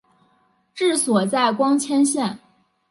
治所在光迁县。